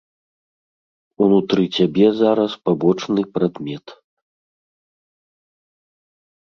Унутры цябе зараз пабочны прадмет.